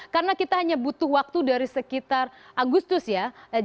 karena kita hanya butuh waktu dari sekitar agustus ya